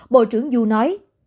bộ trưởng joo nói